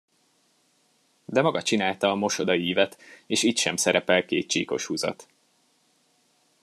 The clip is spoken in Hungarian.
De maga csinálta a mosodaívet, és itt sem szerepel két csíkos huzat.